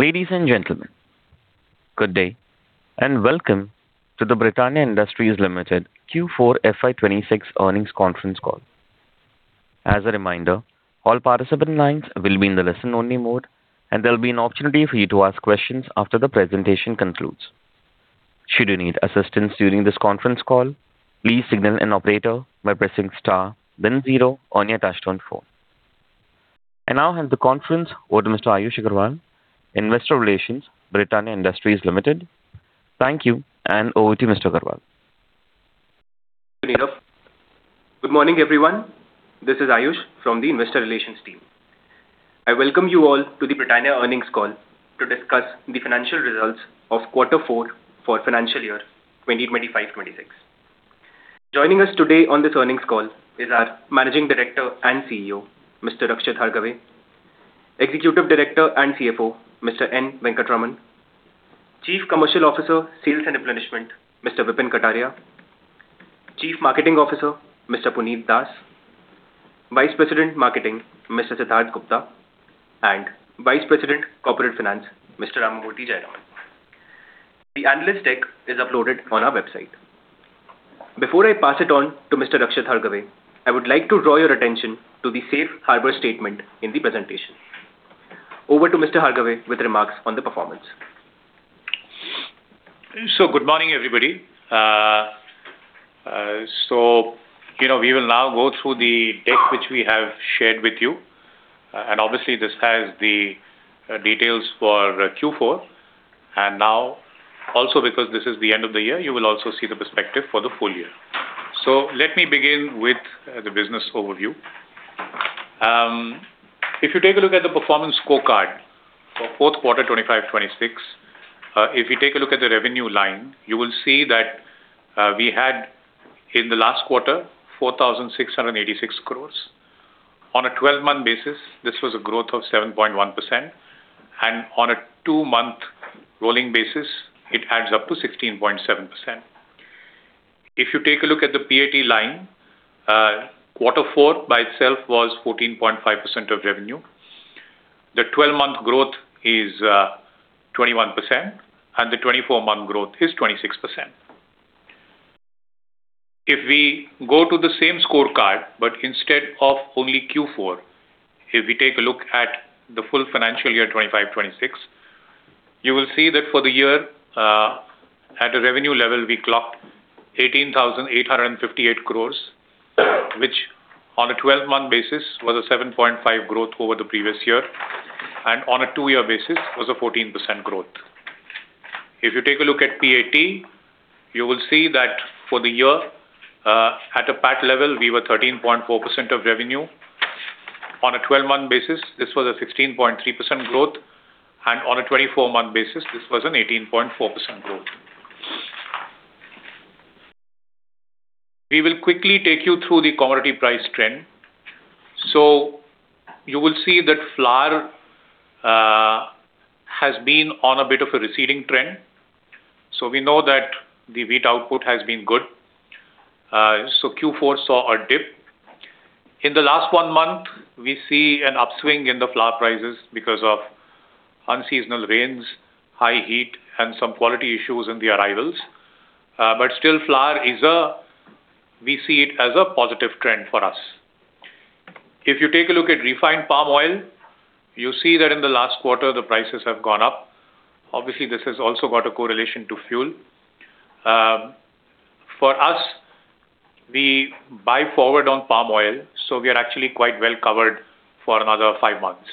Ladies and gentlemen, good day, and welcome to the Britannia Industries Limited Q4 FY 2026 earnings conference call. As a reminder, all participant lines will be in the listen only mode, and there'll be an opportunity for you to ask questions after the presentation concludes. Should you need assistance during this conference call, please signal an operator by pressing star then zero on your touchtone phone. I now hand the conference over to Mr. Ayush Agarwal, Investor Relations, Britannia Industries Limited. Thank you. Over to Mr. Agarwal. Good morning, everyone. This is Ayush from the Investor Relations team. I welcome you all to the Britannia earnings call to discuss the financial results of quarter four for financial year 2025-2026. Joining us today on this earnings call is our Managing Director and CEO, Mr. Rakshit Hargave, Executive Director and CFO, Mr. N Venkataraman, Chief Commercial Officer, Sales and Replenishment, Mr. Vipin Kataria, Chief Marketing Officer, Mr. Puneet Das, Vice President, Marketing, Mr. Siddharth Gupta, and Vice President, Corporate Finance, Mr. Ramamurthy Jayaraman. The analyst deck is uploaded on our website. Before I pass it on to Mr. Rakshit Hargave, I would like to draw your attention to the safe harbor statement in the presentation. Over to Mr. Hargave with remarks on the performance. Good morning, everybody. You know, we will now go through the deck which we have shared with you, and obviously this has the details for Q4. Now also because this is the end of the year, you will also see the perspective for the full year. Let me begin with the business overview. If you take a look at the performance scorecard for fourth quarter 25, 26, if you take a look at the revenue line, you will see that we had in the last quarter 4,686 crores. On a 12-month basis, this was a growth of 7.1%, and on a two month rolling basis, it adds up to 16.7%. If you take a look at the PAT line, Q4 by itself was 14.5% of revenue. The 12-month growth is 21%, and the 24-month growth is 26%. If we go to the same scorecard, but instead of only Q4, if we take a look at the full financial year FY 2025-26, you will see that for the year, at a revenue level, we clocked 18,858 crores, which on a 12-month basis was a 7.5% growth over the previous year, and on a two year basis was a 14% growth. If you take a look at PAT, you will see that for the year, at a PAT level, we were 13.4% of revenue. On a 12-month basis, this was a 16.3% growth, and on a 24-month basis, this was an 18.4% growth. We will quickly take you through the commodity price trend. You will see that flour has been on a bit of a receding trend. We know that the wheat output has been good. Q4 saw a dip. In the last one month, we see an upswing in the flour prices because of unseasonal rains, high heat and some quality issues in the arrivals. But still flour is We see it as a positive trend for us. If you take a look at refined palm oil, you see that in the last quarter the prices have gone up. Obviously, this has also got a correlation to fuel. For us, we buy forward on palm oil, so we are actually quite well covered for another five months.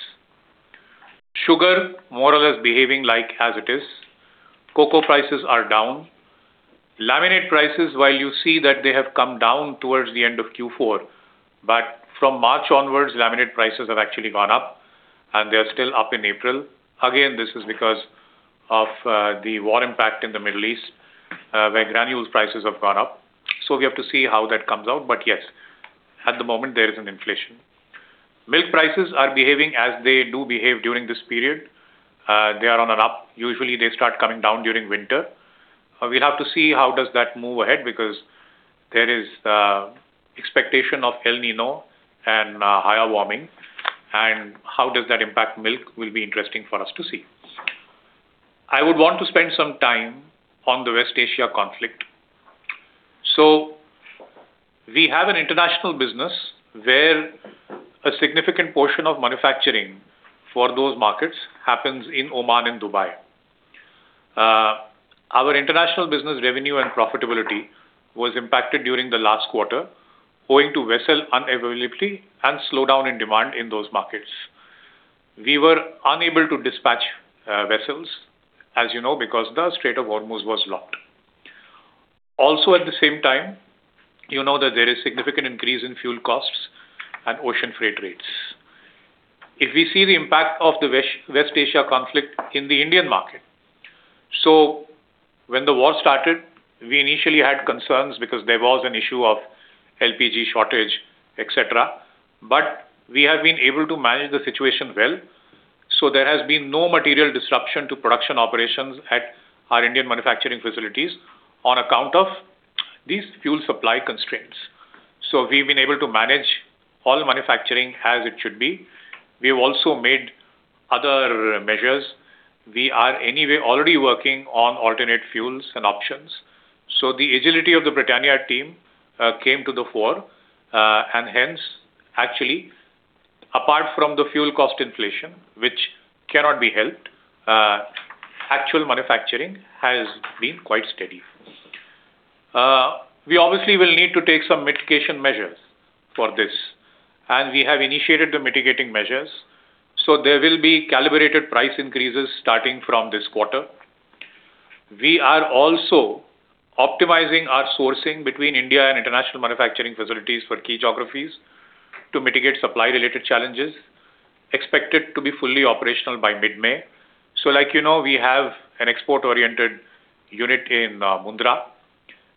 Sugar more or less behaving like as it is. Cocoa prices are down. Laminate prices, while you see that they have come down towards the end of Q4, from March onwards, laminate prices have actually gone up and they are still up in April. This is because of the war impact in the Middle East, where granules prices have gone up. We have to see how that comes out. Yes, at the moment there is an inflation. Milk prices are behaving as they do behave during this period. They are on an up. Usually they start coming down during winter. We have to see how does that move ahead because there is expectation of El Niño and higher warming and how does that impact milk will be interesting for us to see. We have an international business where a significant portion of manufacturing for those markets happens in Oman and Dubai. Our international business revenue and profitability was impacted during the last quarter owing to vessel unavailability and slowdown in demand in those markets. We were unable to dispatch vessels, as you know, because the Strait of Hormuz was locked. Also at the same time, you know that there is significant increase in fuel costs and ocean freight rates. If we see the impact of the West Asia conflict in the Indian market. When the war started, we initially had concerns because there was an issue of LPG shortage, etc. We have been able to manage the situation well, so there has been no material disruption to production operations at our Indian manufacturing facilities on account of these fuel supply constraints. We've been able to manage all manufacturing as it should be. We have also made other measures. We are anyway already working on alternate fuels and options. The agility of the Britannia team came to the fore, and hence, actually, apart from the fuel cost inflation, which cannot be helped, actual manufacturing has been quite steady. We obviously will need to take some mitigation measures for this, and we have initiated the mitigating measures, so there will be calibrated price increases starting from this quarter. We are also optimizing our sourcing between India and international manufacturing facilities for key geographies to mitigate supply-related challenges. Expected to be fully operational by mid-May. Like you know, we have an export-oriented unit in Mundra.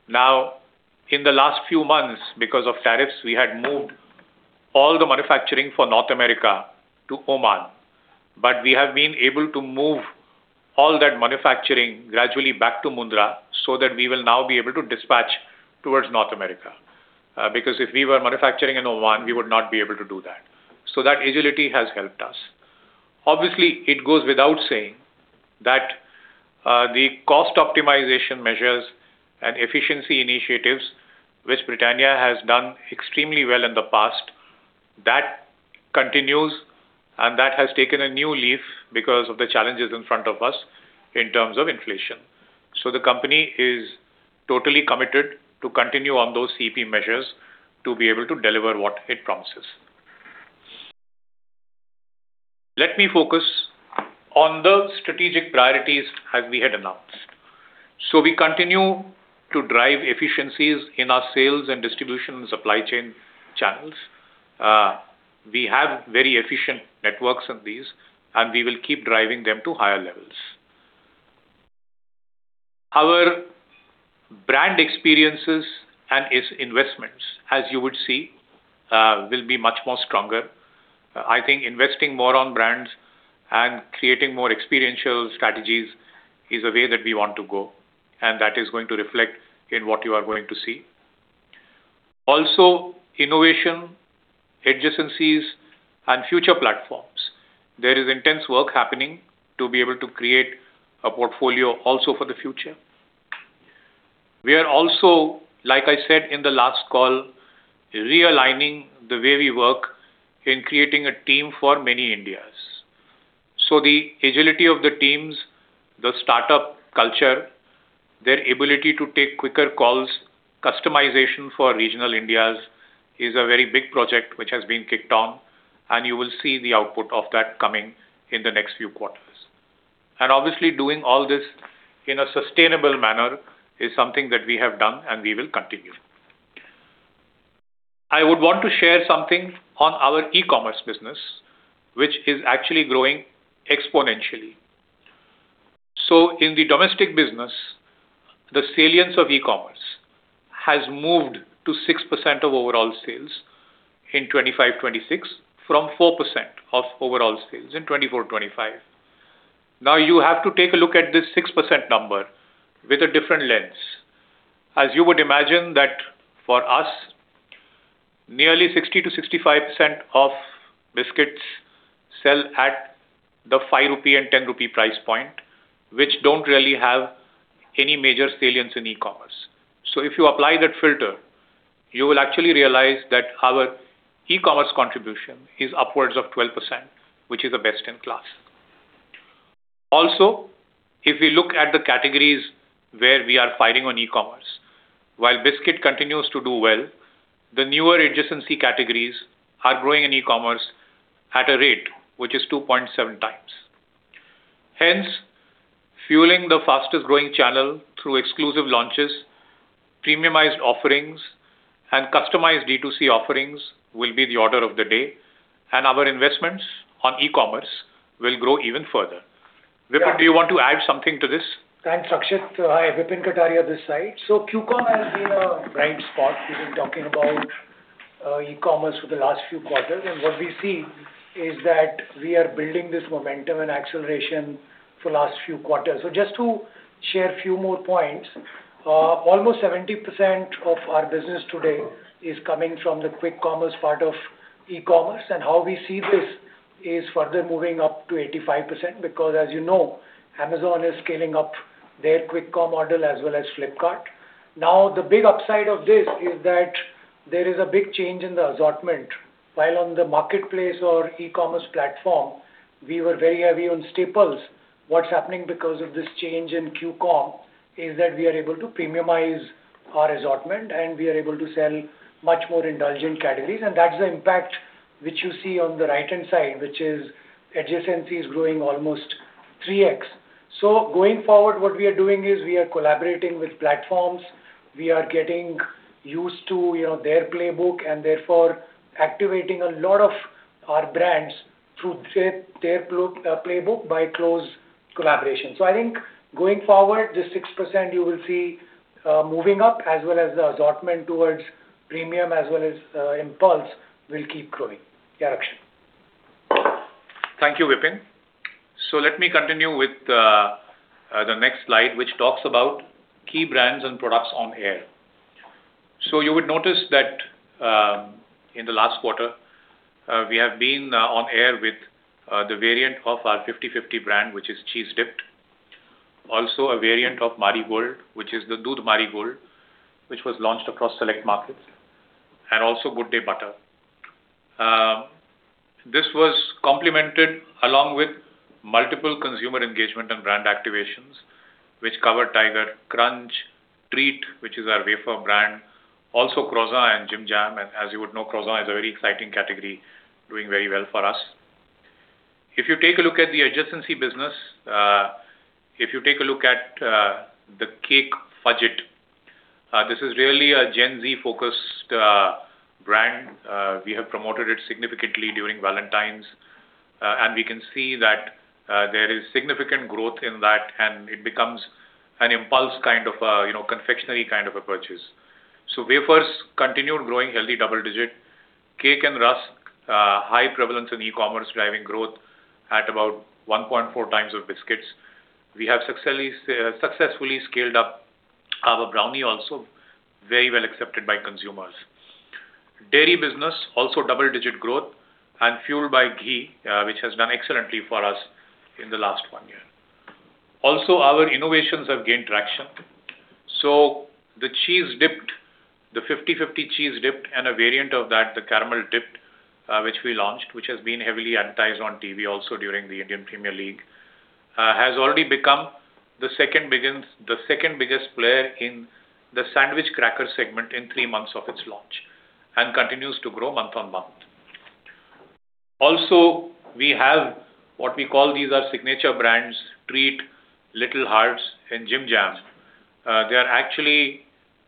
In the last few months, because of tariffs, we had moved all the manufacturing for North America to Oman, but we have been able to move all that manufacturing gradually back to Mundra so that we will now be able to dispatch towards North America. Because if we were manufacturing in Oman, we would not be able to do that. That agility has helped us. Obviously, it goes without saying that the cost optimization measures and efficiency initiatives, which Britannia has done extremely well in the past, that continues, and that has taken a new leaf because of the challenges in front of us in terms of inflation. The company is totally committed to continue on those CEP measures to be able to deliver what it promises. Let me focus on the strategic priorities as we had announced. We continue to drive efficiencies in our sales and distribution supply chain channels. We have very efficient networks on these, and we will keep driving them to higher levels. Our brand experiences and its investments, as you would see, will be much more stronger. I think investing more on brands and creating more experiential strategies is a way that we want to go, and that is going to reflect in what you are going to see. Also, innovation, adjacencies, and future platforms. There is intense work happening to be able to create a portfolio also for the future. We are also, like I said in the last call, realigning the way we work in creating a team for many Indias. The agility of the teams, the startup culture, their ability to take quicker calls, customization for regional Indias, is a very big project which has been kicked on, and you will see the output of that coming in the next few quarters. Obviously, doing all this in a sustainable manner is something that we have done and we will continue. I would want to share something on our e-commerce business, which is actually growing exponentially. In the domestic business, the salience of e-commerce has moved to 6% of overall sales in FY 2025-26 from 4% of overall sales in FY 2024-25. You have to take a look at this 6% number with a different lens. As you would imagine that for us, nearly 60%-65% of biscuits sell at the 5 rupee and 10 rupee price point, which don't really have any major salience in e-commerce. If you apply that filter, you will actually realize that our e-commerce contribution is upwards of 12%, which is the best in class. Also, if we look at the categories where we are fighting on e-commerce, while biscuit continues to do well, the newer adjacency categories are growing in e-commerce at a rate which is 2.7x. Fueling the fastest-growing channel through exclusive launches, premiumized offerings, and customized D2C offerings will be the order of the day, and our investments on e-commerce will grow even further. Vipin, do you want to add something to this? Thanks, Rakshit. Hi, Vipin Kataria this side. Q-commerce has been a bright spot. We've been talking about e-commerce for the last few quarters. What we see is that we are building this momentum and acceleration for last few quarters. Just to share a few more points, almost 70% of our business today is coming from the quick commerce part of e-commerce. How we see this is further moving up to 85%, because as you know, Amazon is scaling up their quick com model as well as Flipkart. The big upside of this is that there is a big change in the assortment. While on the marketplace or e-commerce platform, we were very heavy on staples. What's happening because of this change in Q-commerce is that we are able to premiumize our assortment, and we are able to sell much more indulgent categories, and that's the impact which you see on the right-hand side, which is adjacencies growing almost 3x. Going forward, what we are doing is we are collaborating with platforms. We are getting used to, you know, their playbook and therefore activating a lot of our brands through their playbook by close collaboration. I think going forward, this 6% you will see moving up as well as the assortment towards premium as well as impulse will keep growing. Yeah, Rakshit. Thank you, Vipin. Let me continue with the next slide, which talks about key brands and products on air. You would notice that in the last quarter, we have been on air with the variant of our 50/50 brand, which is Cheese Dipped. Also a variant of Marie Gold, which is the Doodh Marie Gold, which was launched across select markets, and also Good Day Butter. This was complemented along with multiple consumer engagement and brand activations, which cover Tiger Krunch, Treat, which is our wafer brand, also Treat Croissant and Jim Jam. As you would know, Treat Croissant is a very exciting category doing very well for us. If you take a look at the adjacency business, if you take a look at the cake Fudge It, this is really a Gen Z-focused brand. We have promoted it significantly during Valentine's, and we can see that there is significant growth in that, and it becomes an impulse kind of a, you know, confectionery kind of a purchase. Wafers continued growing healthy double-digit. Cake and Rusk, high prevalence in e-commerce, driving growth at about 1.4x of biscuits. We have successfully scaled up our brownie also, very well accepted by consumers. Dairy business, also double-digit growth and fueled by ghee, which has done excellently for us in the last one year. Also, our innovations have gained traction. The Cheese Dipped, the 50 50 Cheese Dipped, and a variant of that, the Caramel Dipped, which we launched, which has been heavily advertised on TV also during the Indian Premier League, has already become the second-biggest player in the sandwich cracker segment in three months of its launch and continues to grow month-on-month. Also, we have what we call these are signature brands, Treat, Little Hearts, and Jim Jam. They are actually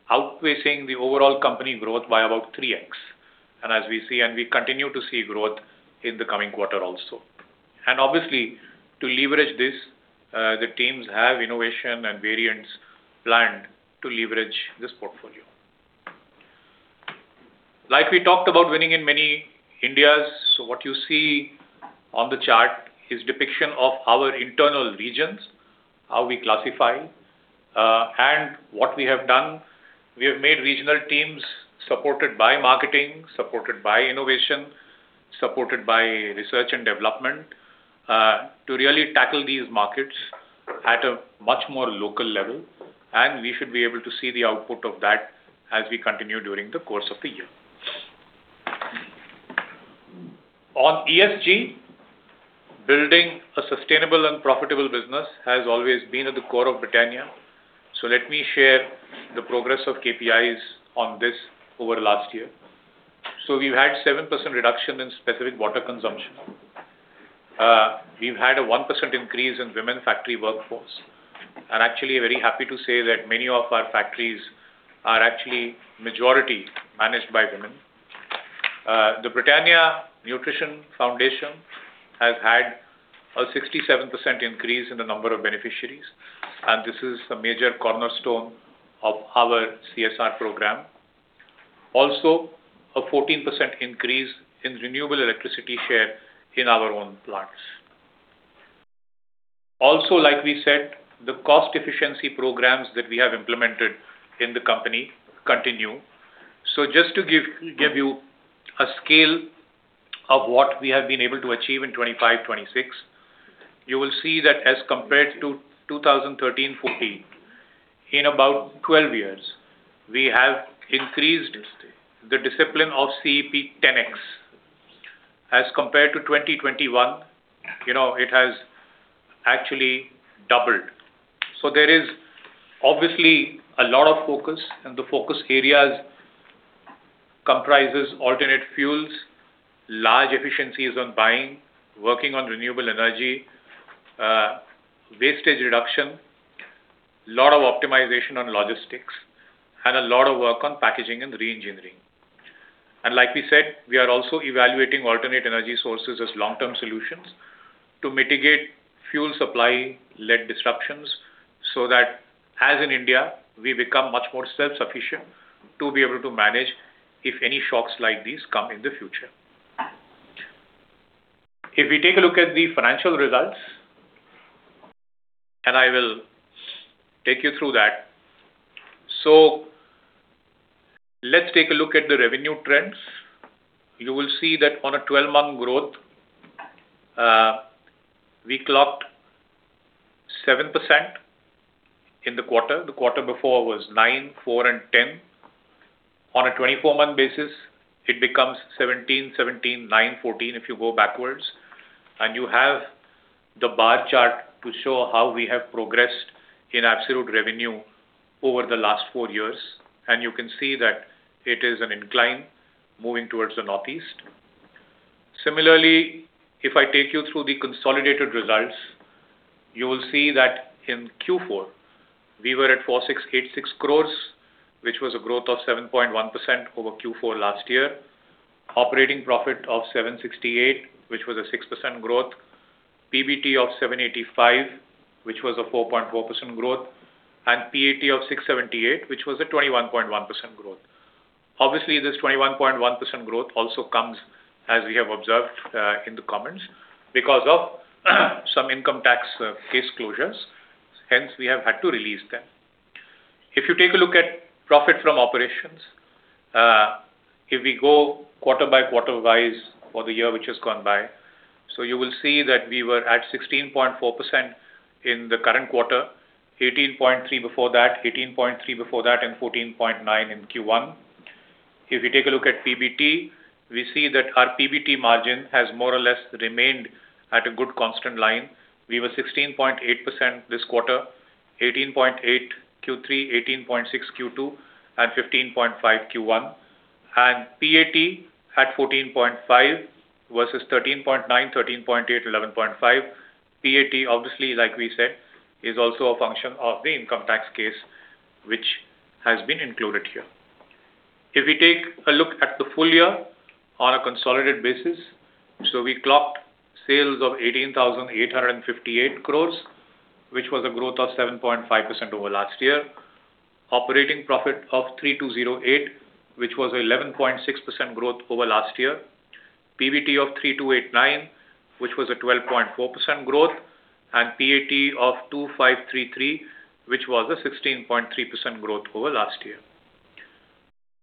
outpacing the overall company growth by about 3x. As we see and we continue to see growth in the coming quarter also. Obviously, to leverage this, the teams have innovation and variants planned to leverage this portfolio. Like we talked about winning in many Indias, what you see on the chart is depiction of our internal regions, how we classify, and what we have done. We have made regional teams supported by marketing, supported by innovation, supported by research and development, to really tackle these markets at a much more local level, and we should be able to see the output of that as we continue during the course of the year. On ESG, building a sustainable and profitable business has always been at the core of Britannia. Let me share the progress of KPIs on this over the last year. We've had 7% reduction in specific water consumption. We've had a 1% increase in women factory workforce. Actually very happy to say that many of our factories are actually majority managed by women. The Britannia Nutrition Foundation has had a 67% increase in the number of beneficiaries, and this is a major cornerstone of our CSR program. A 14% increase in renewable electricity share in our own plants. Like we said, the cost efficiency programs that we have implemented in the company continue. Just to give you a scale of what we have been able to achieve in 2025-26, you will see that as compared to 2013-14, in about 12 years, we have increased the discipline of CEP 10x. As compared to 2021, you know, it has actually doubled. There is obviously a lot of focus, and the focus areas comprises alternate fuels, large efficiencies on buying, working on renewable energy, wastage reduction, lot of optimization on logistics, and a lot of work on packaging and re-engineering. Like we said, we are also evaluating alternate energy sources as long-term solutions to mitigate fuel supply-led disruptions, so that as in India, we become much more self-sufficient to be able to manage if any shocks like these come in the future. If we take a look at the financial results, I will take you through that. Let's take a look at the revenue trends. You will see that on a 12-month growth, we clocked 7% in the quarter. The quarter before was nine, four, and 10. On a 24-month basis, it becomes 17, nine, 14 if you go backwards. You have the bar chart to show how we have progressed in absolute revenue over the last four years. You can see that it is an incline moving towards the northeast. If I take you through the consolidated results, you will see that in Q4, we were at 4,686 crores, which was a growth of 7.1% over Q4 last year. Operating profit of 768, which was a 6% growth. PBT of 785, which was a 4.4% growth. PAT of 678, which was a 21.1% growth. Obviously, this 21.1% growth also comes, as we have observed, in the comments, because of some income tax case closures. We have had to release them. If you take a look at profit from operations, if we go quarter by quarter-wise for the year which has gone by. You will see that we were at 16.4% in the current quarter, 18.3% before that, 18.3% before that, and 14.9% in Q1. If you take a look at PBT, we see that our PBT margin has more or less remained at a good constant line. We were 16.8% this quarter, 18.8% Q3, 18.6% Q2, and 15.5% Q1. PAT at 14.5% versus 13.9%, 13.8%, 11.5%. PAT, obviously, like we said, is also a function of the income tax case, which has been included here. If we take a look at the full year on a consolidated basis, we clocked sales of 18,858 crores, which was a growth of 7.5% over last year. Operating profit of 3,208, which was 11.6% growth over last year. PBT of 3,289, which was a 12.4% growth, and PAT of 2,533, which was a 16.3% growth over last year.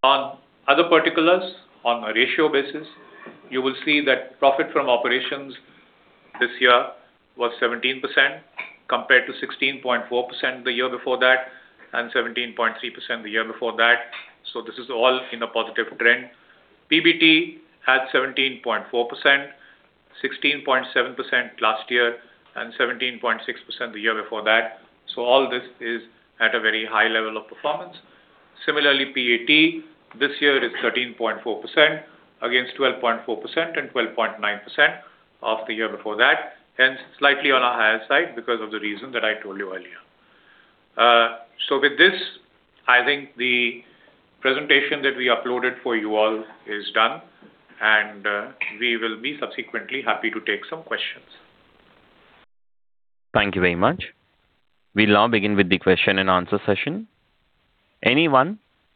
On other particulars, on a ratio basis, you will see that profit from operations this year was 17% compared to 16.4% the year before that and 17.3% the year before that. This is all in a positive trend. PBT at 17.4%, 16.7% last year, and 17.6% the year before that. All this is at a very high level of performance. Similarly, PAT this year is 13.4% against 12.4% and 12.9% of the year before that. Slightly on our higher side because of the reason that I told you earlier. With this, I think the presentation that we uploaded for you all is done, and we will be subsequently happy to take some questions. Thank you very much. We will now begin with the question and answer session. Anyone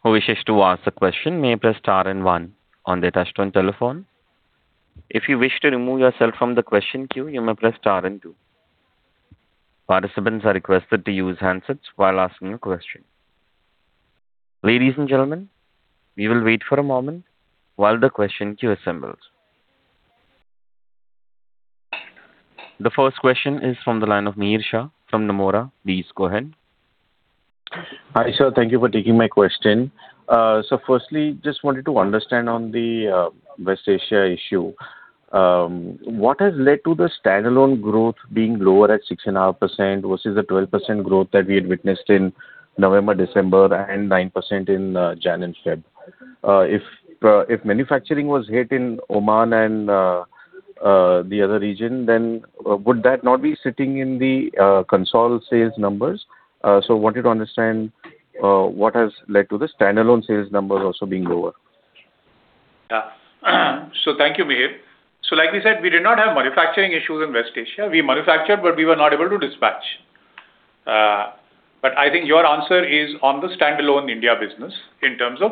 who wishes to ask a question may press star and one on their touch-tone telephone. If you wish to remove yourself from the question queue, you may press star and two. Participants are requested to use handsets while asking a question. Ladies and gentlemen, we will wait for a moment while the question queue assembles. The first question is from the line of Mihir Shah from Nomura. Please go ahead. Hi, sir. Thank you for taking my question. Firstly, just wanted to understand on the West Asia issue, what has led to the standalone growth being lower at 6.5% versus the 12% growth that we had witnessed in November, December and 9% in Jan and Feb? If manufacturing was hit in Oman and the other region, then would that not be sitting in the consolidated sales numbers? Wanted to understand what has led to the standalone sales numbers also being lower. Thank you, Mihir. Like we said, we did not have manufacturing issues in West Asia. We manufactured, but we were not able to dispatch. I think your answer is on the standalone India business in terms of.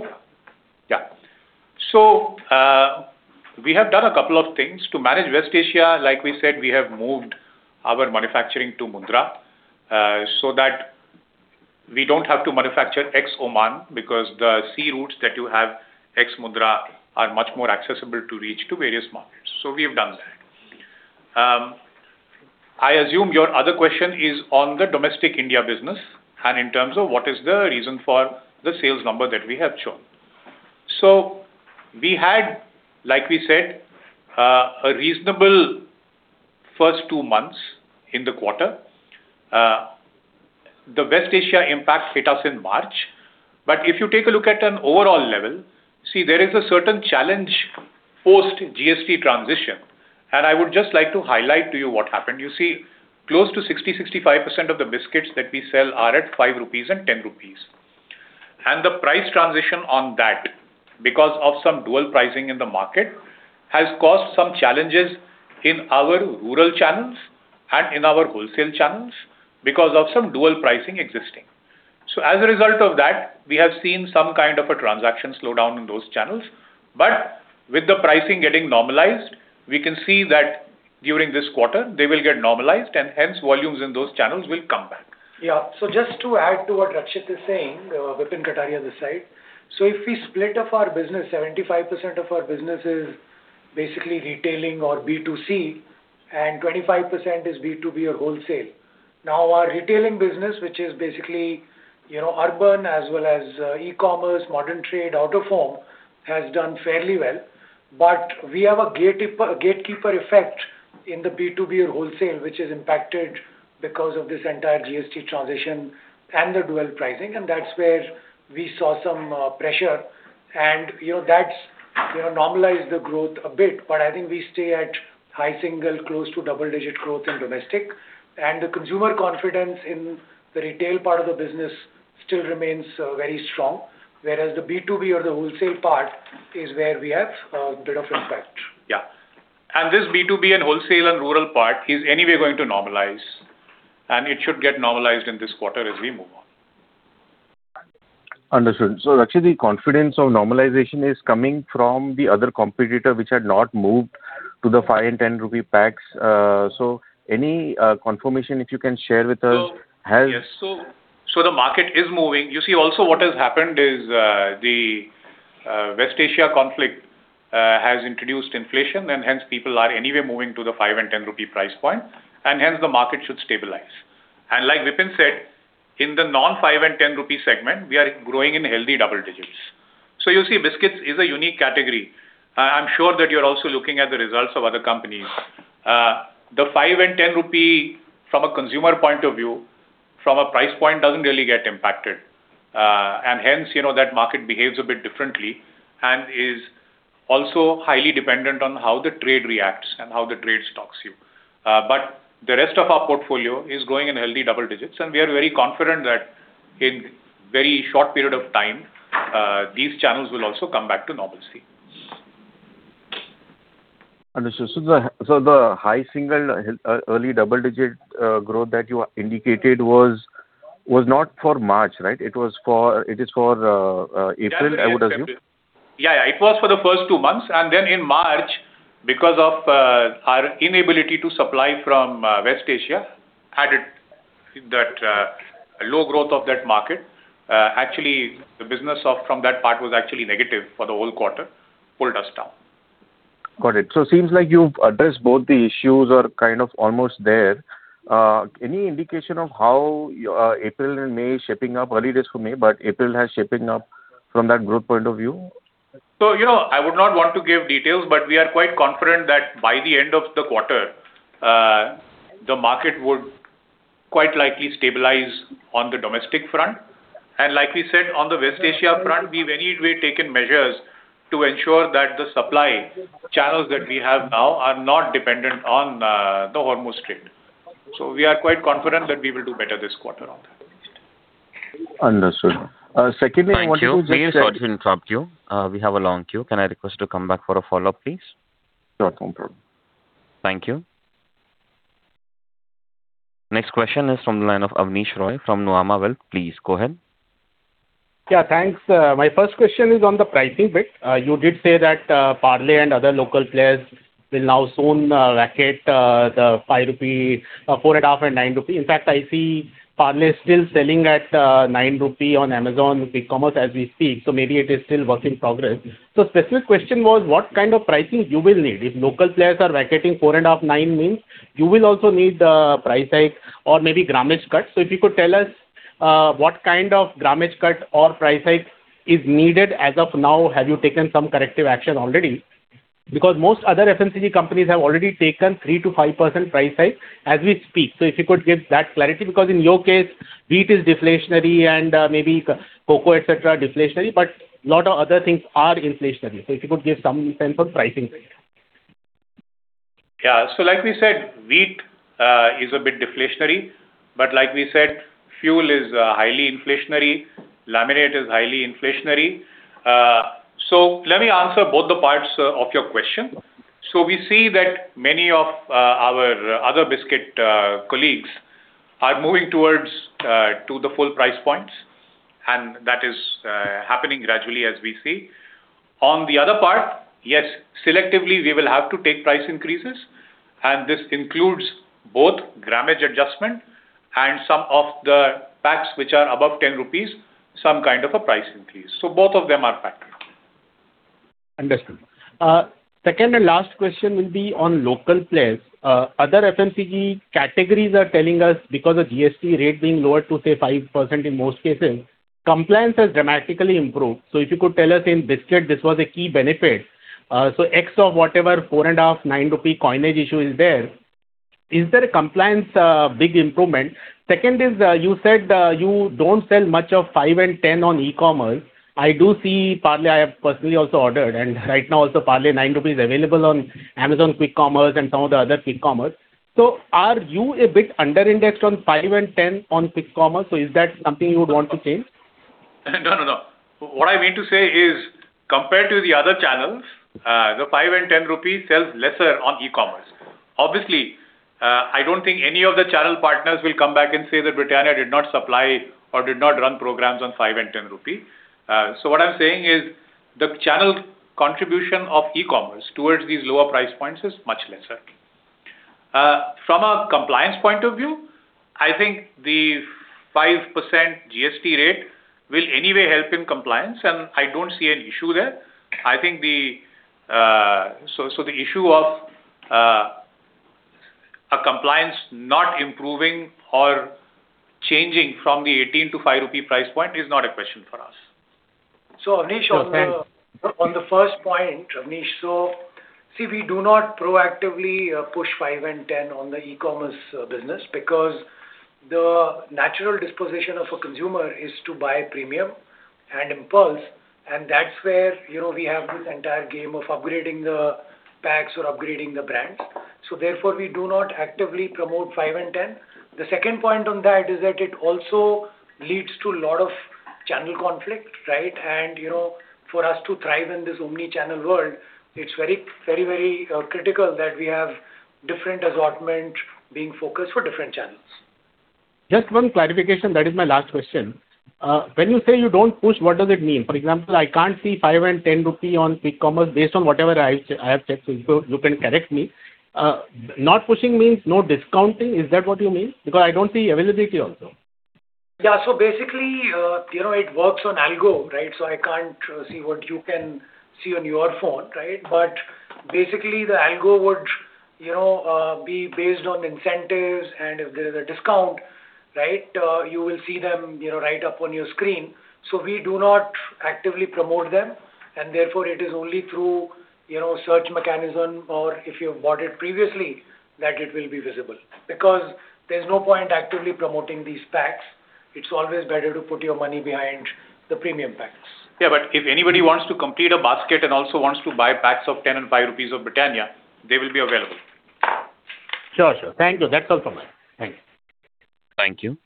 We have done 2 things to manage West Asia. Like we said, we have moved our manufacturing to Mundra so that we don't have to manufacture ex-Oman because the sea routes that you have ex-Mundra are much more accessible to reach to various markets. We have done that. I assume your other question is on the domestic India business and in terms of what is the reason for the sales number that we have shown. We had, like we said, a reasonable first two months in the quarter. The West Asia impact hit us in March. If you take a look at an overall level, see, there is a certain challenge post-GST transition, and I would just like to highlight to you what happened. You see, close to 60%-65% of the biscuits that we sell are at 5 rupees and 10 rupees. The price transition on that, because of some dual pricing in the market, has caused some challenges in our rural channels and in our wholesale channels because of some dual pricing existing. As a result of that, we have seen some kind of a transaction slowdown in those channels. With the pricing getting normalized, we can see that during this quarter they will get normalized and hence volumes in those channels will come back. Yeah. Just to add to what Rakshit is saying, Vipin Kataria this side. If we split up our business, 75% of our business is basically retailing or B2C, and 25% is B2B or wholesale. Now, our retailing business, which is basically, you know, urban as well as e-commerce, modern trade, out of home, has done fairly well. But we have a gatekeeper effect in the B2B or wholesale, which is impacted because of this entire GST transition and the dual pricing, and that's where we saw some pressure. You know, that's, you know, normalized the growth a bit, but I think we stay at high single close to double-digit growth in domestic. The consumer confidence in the retail part of the business still remains very strong, whereas the B2B or the wholesale part is where we have bit of impact. Yeah. This B2B and wholesale and rural part is anyway going to normalize, and it should get normalized in this quarter as we move on. Understood. Actually the confidence of normalization is coming from the other competitor which had not moved to the 5 and 10 rupee packs. Yes. The market is moving. You see also what has happened is the West Asia conflict has introduced inflation, and hence people are anyway moving to the 5 and 10 rupee price point, and hence the market should stabilize. Like Vipin said, in the non 5 and 10 rupee segment, we are growing in healthy double digits. You see, biscuits is a unique category. I'm sure that you're also looking at the results of other companies. The 5 and 10 rupee from a consumer point of view, from a price point, doesn't really get impacted. Hence, you know, that market behaves a bit differently and is also highly dependent on how the trade reacts and how the trade stocks you. The rest of our portfolio is growing in healthy double digits, and we are very confident that in very short period of time, these channels will also come back to normalcy. Understood. The high single, early double-digit growth that you indicated was not for March, right? It was for April, I would assume. January and February. Yeah, yeah. It was for the first two months, then in March because of our inability to supply from West Asia had it, that low growth of that market. Actually the business from that part was actually negative for the whole quarter, pulled us down. Got it. Seems like you've addressed both the issues or kind of almost there. Any indication of how April and May shaping up? Early days for May, but April has shaping up from that growth point of view? You know, I would not want to give details, but we are quite confident that by the end of the quarter, the market would quite likely stabilize on the domestic front. Like we said, on the West Asia front, we've anyway taken measures to ensure that the supply channels that we have now are not dependent on the Hormuz trade. We are quite confident that we will do better this quarter on that. Understood. secondly, I wanted to. Thank you. We are sorry to interrupt you. We have a long queue. Can I request to come back for a follow-up, please? Sure. No problem. Thank you. Next question is from the line of Abneesh Roy from Nuvama Wealth. Please go ahead. Thanks. My first question is on the pricing bit. You did say that Parle and other local players will now soon racket the 5 rupee, 4.5, and 9 rupee. In fact, I see Parle is still selling at 9 rupee on Amazon, Blinkit as we speak. Maybe it is still work in progress. Specific question was, what kind of pricing you will need? If local players are racketing INR 4.5, 9 means you will also need price hike or maybe grammage cuts. If you could tell us what kind of grammage cut or price hike is needed as of now, have you taken some corrective action already? Because most other FMCG companies have already taken 3%-5% price hike as we speak. If you could give that clarity, because in your case, wheat is deflationary and maybe cocoa, et cetera, are deflationary, but a lot of other things are inflationary. If you could give some sense on pricing please. Like we said, wheat is a bit deflationary, but like we said, fuel is highly inflationary, laminate is highly inflationary. Let me answer both the parts of your question. We see that many of our other biscuit colleagues are moving towards to the full price points, and that is happening gradually as we see. On the other part, yes, selectively we will have to take price increases, and this includes both grammage adjustment and some of the packs which are above 10 rupees, some kind of a price increase. Both of them are factored in. Understood. Second and last question will be on local players. Other FMCG categories are telling us because of GST rate being lowered to, say, 5% in most cases, compliance has dramatically improved. If you could tell us in biscuit this was a key benefit. Ex of whatever 4.5, 9 rupee coinage issue is there, is there a compliance big improvement? Second is, you said, you don't sell much of 5 and 10 on e-commerce. I do see Parle, I have personally also ordered, and right now also Parle 9 rupees is available on Amazon, Blinkit and some of the other Blinkit. Are you a bit under-indexed on 5 and 10 on Blinkit? Is that something you would want to change? No, no. What I mean to say is, compared to the other channels, the 5 and 10 rupees sells lesser on e-commerce. Obviously, I don't think any of the channel partners will come back and say that Britannia did not supply or did not run programs on 5 and 10 rupee. What I'm saying is the channel contribution of e-commerce towards these lower price points is much lesser. From a compliance point of view, I think the 5% GST rate will anyway help in compliance. I don't see an issue there. I think the issue of a compliance not improving or changing from the 18 to 5 rupee price point is not a question for us. Thanks. On the first point, Abneesh Roy. See, we do not proactively push 5 and 10 on the e-commerce business because the natural disposition of a consumer is to buy premium and impulse, and that's where, you know, we have this entire game of upgrading the packs or upgrading the brands Therefore, we do not actively promote 5 and 10. The second point on that is that it also leads to a lot of channel conflict, right? You know, for us to thrive in this omni-channel world, it's very, very, very critical that we have different assortment being focused for different channels. Just one clarification. That is my last question. When you say you don't push, what does it mean? For example, I can't see 5 and 10 rupee on Blinkit based on whatever I have checked, so you can correct me. Not pushing means no discounting. Is that what you mean? Because I don't see availability also. Yeah. Basically, you know, it works on algo, right? I can't see what you can see on your phone, right? Basically, the algo would, you know, be based on incentives, and if there is a discount, right, you will see them, you know, right up on your screen. We do not actively promote them, and therefore it is only through, you know, search mechanism or if you've bought it previously that it will be visible. Because there's no point actively promoting these packs. It's always better to put your money behind the premium packs. Yeah, if anybody wants to complete a basket and also wants to buy packs of 10 and 5 rupees of Britannia, they will be available. Sure. Thank you. That's all from me. Thank you. Thank you.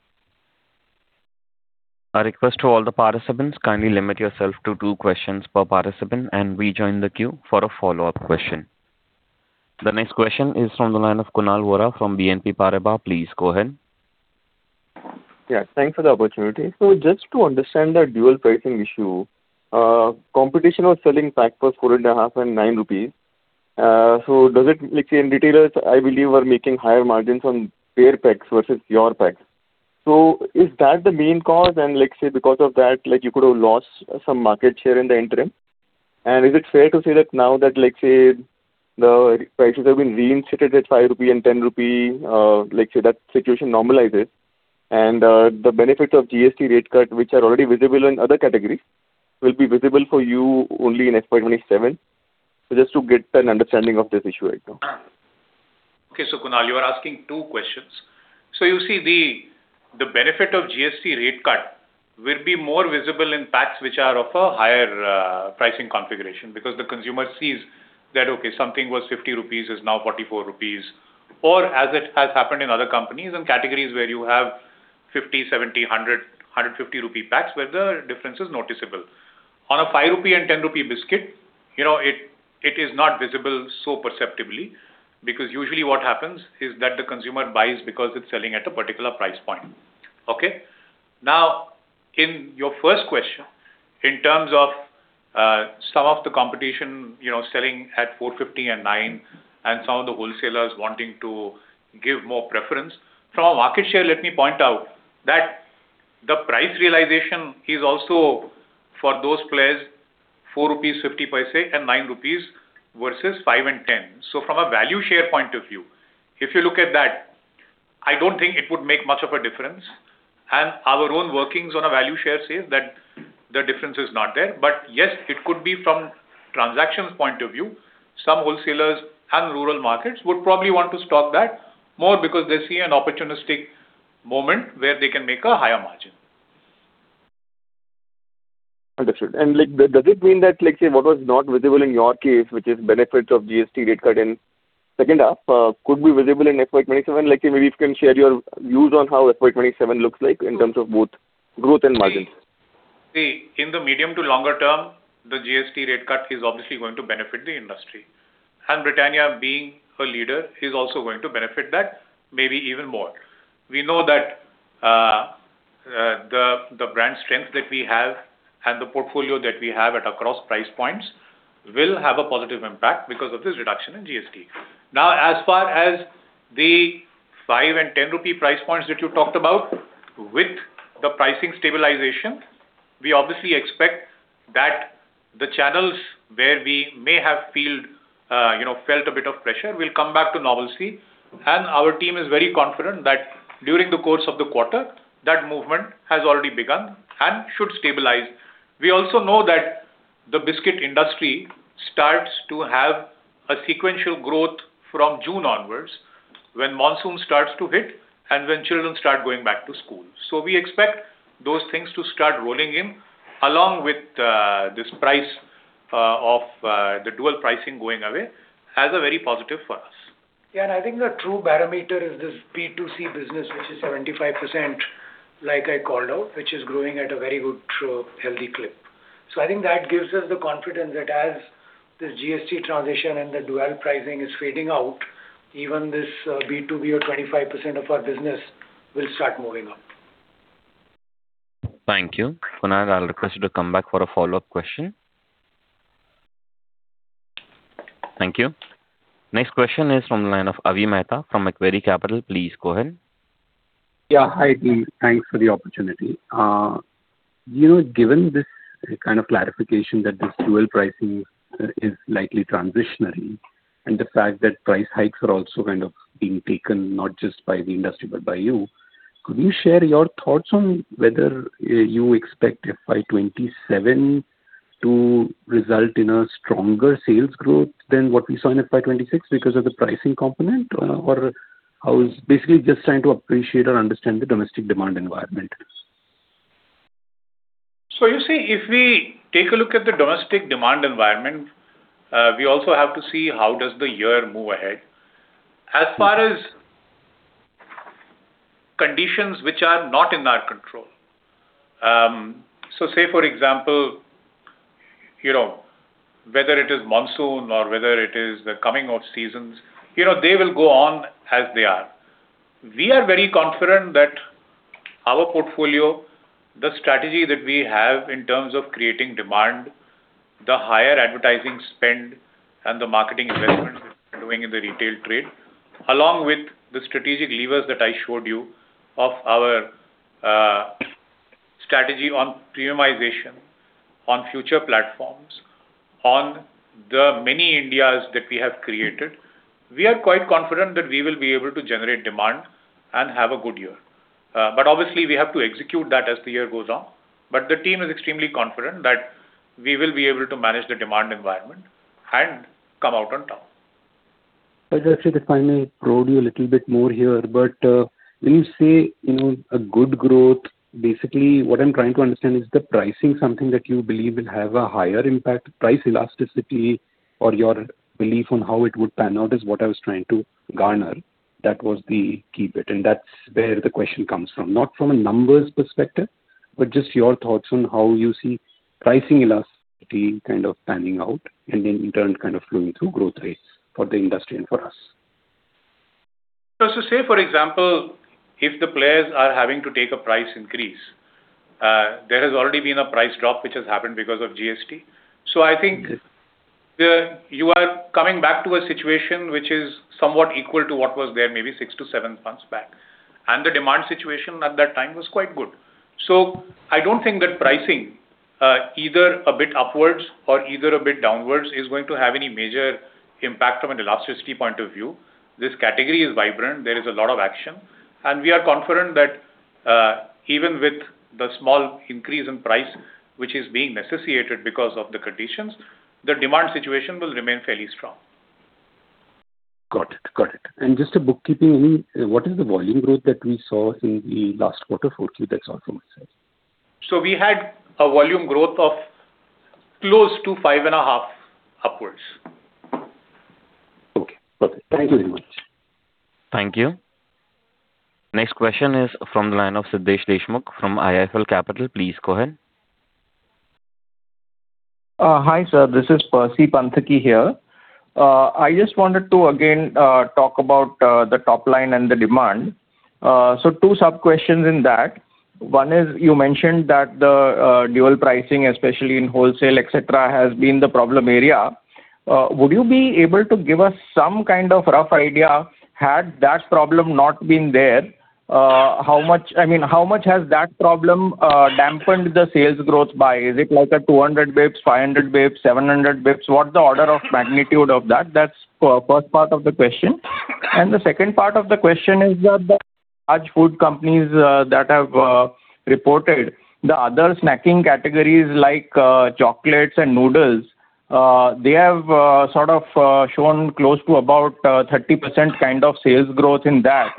A request to all the participants. Kindly limit yourself to two questions per participant, and rejoin the queue for a follow-up question. The next question is from the line of Kunal Vora from BNP Paribas. Please go ahead. Yeah, thanks for the opportunity. Just to understand the dual pricing issue, competition was selling pack for 4.5 And 9 rupees. Retailers, I believe, are making higher margins on their packs versus your packs. Is that the main cause? Let's say because of that, like you could have lost some market share in the interim. Is it fair to say that now that, let's say, the prices have been reinstated at 5 rupee and 10 rupee, let's say that situation normalizes and the benefits of GST rate cut, which are already visible in other categories, will be visible for you only in FY 2027. Just to get an understanding of this issue right now. Okay. Kunal, you are asking two questions. You see the benefit of GST rate cut will be more visible in packs which are of a higher pricing configuration because the consumer sees that, okay, something was 50 rupees, is now 44 rupees, or as it has happened in other companies and categories where you have 50, 70, 100, 150 rupee packs, where the difference is noticeable. On a 5 rupee and 10 rupee biscuit, you know, it is not visible so perceptibly because usually what happens is that the consumer buys because it's selling at a particular price point. Okay? In your first question, in terms of some of the competition, you know, selling at 4.50 and 9 and some of the wholesalers wanting to give more preference. From a market share, let me point out that the price realization is also for those players, 4.50 rupees and 9 rupees versus 5 and 10. From a value share point of view, if you look at that, I don't think it would make much of a difference. Our own workings on a value share say that the difference is not there. Yes, it could be from transactions point of view, some wholesalers and rural markets would probably want to stock that more because they see an opportunistic moment where they can make a higher margin. Understood. Like, does it mean that, let's say, what was not visible in your case, which is benefits of GST rate cut in second half, could be visible in FY 2027? Like say, maybe you can share your views on how FY 2027 looks like in terms of both growth and margins. See, in the medium to longer term, the GST rate cut is obviously going to benefit the industry. Britannia being a leader is also going to benefit that maybe even more. We know that the brand strength that we have and the portfolio that we have at across price points will have a positive impact because of this reduction in GST. As far as the 5 and 10 rupee price points that you talked about, with the pricing stabilization, we obviously expect that the channels where we may have felt a bit of pressure will come back to normalcy. Our team is very confident that during the course of the quarter, that movement has already begun and should stabilize. We also know that the biscuit industry starts to have a sequential growth from June onwards, when monsoon starts to hit and when children start going back to school. We expect those things to start rolling in along with this price of the dual pricing going away as a very positive for us. I think the true barometer is this B2C business, which is 75% like I called out, which is growing at a very good healthy clip. I think that gives us the confidence that as this GST transition and the dual pricing is fading out, even this B2B or 25% of our business will start moving up. Thank you. Kunal, I'll request you to come back for a follow-up question. Thank you. Next question is from the line of Avi Mehta from Macquarie Capital. Please go ahead. Yeah. Hi, team. Thanks for the opportunity. you know, given this kind of clarification that this dual pricing is likely transitionary and the fact that price hikes are also kind of being taken not just by the industry but by you, could you share your thoughts on whether you expect FY 2027 to result in a stronger sales growth than what we saw in FY 2026 because of the pricing component? basically just trying to appreciate or understand the domestic demand environment. You see, if we take a look at the domestic demand environment, we also have to see how does the year move ahead. As far as conditions which are not in our control, say, for example, you know, whether it is monsoon or whether it is the coming of seasons, you know, they will go on as they are. We are very confident that our portfolio, the strategy that we have in terms of creating demand, the higher advertising spend and the marketing investments we're doing in the retail trade, along with the strategic levers that I showed you of our strategy on premiumization, on future platforms, on the many Indias that we have created, we are quite confident that we will be able to generate demand and have a good year. Obviously we have to execute that as the year goes on. The team is extremely confident that we will be able to manage the demand environment and come out on top. Just to define and probe you a little bit more here, but, when you say, you know, a good growth, basically what I'm trying to understand is the pricing something that you believe will have a higher impact, price elasticity or your belief on how it would pan out is what I was trying to garner. That was the key bit, and that's where the question comes from. Not from a numbers perspective, but just your thoughts on how you see pricing elasticity kind of panning out and in turn kind of flowing through growth rates for the industry and for us. Say, for example, if the players are having to take a price increase, there has already been a price drop which has happened because of GST. I think you are coming back to a situation which is somewhat equal to what was there maybe six to seven months back, and the demand situation at that time was quite good. I don't think that pricing, either a bit upwards or either a bit downwards is going to have any major impact from an elasticity point of view. This category is vibrant. There is a lot of action, and we are confident that, even with the small increase in price which is being necessitated because of the conditions, the demand situation will remain fairly strong. Got it. Got it. Just a bookkeeping, I mean, what is the volume growth that we saw in the last quarter? Hopefully that's all from myself. We had a volume growth of close to 5.5% upwards. Okay. Perfect. Thank you very much. Thank you. Next question is from the line of Siddhesh Deshmukh from IIFL Capital. Please go ahead. Hi sir. This is Percy Panthaki here. I just wanted to again talk about the top line and the demand. Two sub-questions in that. One is, you mentioned that the dual pricing, especially in wholesale, et cetera, has been the problem area. Would you be able to give us some kind of rough idea, had that problem not been there, how much, I mean, how much has that problem dampened the sales growth by? Is it like a 200 basis points, 500 basis points, 700 basis points? What's the order of magnitude of that? That's first part of the question. The second part of the question is that the large food companies that have reported the other snacking categories like chocolates and noodles, they have sort of shown close to about 30% kind of sales growth in that.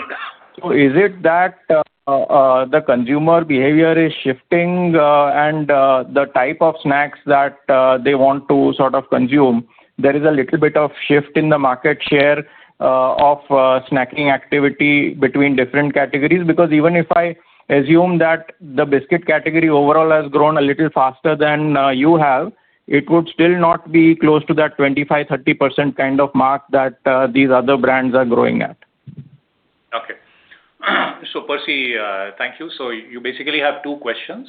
Is it that the consumer behavior is shifting, and the type of snacks that they want to sort of consume, there is a little bit of shift in the market share of snacking activity between different categories? Because even if I assume that the biscuit category overall has grown a little faster than you have, it would still not be close to that 25%, 30% kind of mark that these other brands are growing at. Okay. Percy, thank you. You basically have two questions.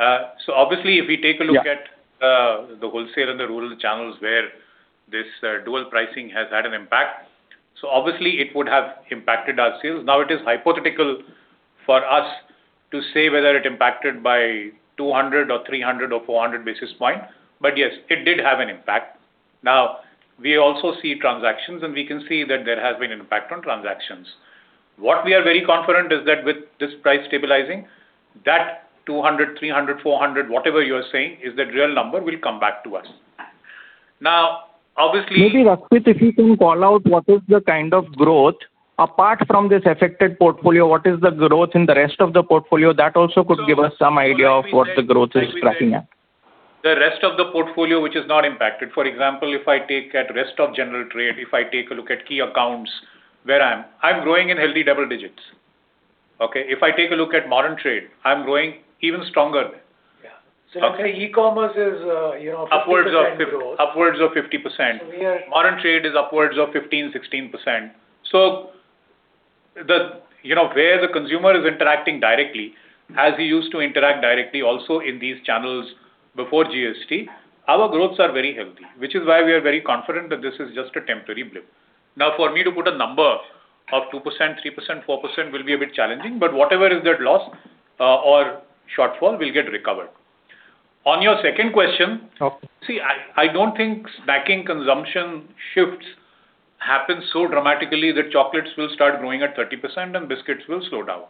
Yeah the wholesale and the rural channels where this dual pricing has had an impact. Obviously it would have impacted our sales. It is hypothetical for us to say whether it impacted by 200 or 300 or 400 basis points. Yes, it did have an impact. We also see transactions, and we can see that there has been impact on transactions. What we are very confident is that with this price stabilizing, that 200, 300, 400, whatever you are saying is that real number will come back to us. Maybe, Rakshit, if you can call out what is the kind of growth. Apart from this affected portfolio, what is the growth in the rest of the portfolio? That also could give us some idea of what the growth is tracking at. The rest of the portfolio which is not impacted. For example, if I take at rest of general trade, if I take a look at key accounts where I'm growing in healthy double digits. Okay? If I take a look at modern trade, I'm growing even stronger. Yeah. Okay. You're saying e-commerce is, you know, 50% growth. Upwards of 50%. Modern trade is upwards of 15%-16%. The, you know, where the consumer is interacting directly, as he used to interact directly also in these channels before GST, our growths are very healthy, which is why we are very confident that this is just a temporary blip. Now, for me to put a number of 2%, 3%, 4% will be a bit challenging, but whatever is that loss or shortfall will get recovered. On your second question- Okay I don't think snacking consumption shifts happen so dramatically that chocolates will start growing at 30% and biscuits will slow down.